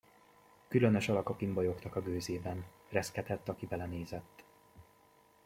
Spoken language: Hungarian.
Különös alakok imbolyogtak a gőzében, reszketett, aki belenézett.